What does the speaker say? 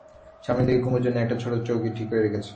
সামনের দিকে কুমুর জন্যে একটা ছোটো চৌকি ঠিক করে রেখেছে।